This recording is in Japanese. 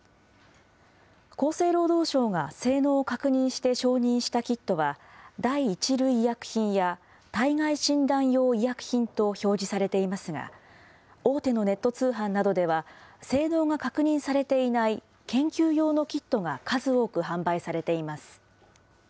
厚生労働省が性能を確認して承認したキットは、第１類医薬品や体外診断用医薬品と表示されていますが、大手のネット通販などでは、性能が確認されていない研究用のキットが数多く販売されています。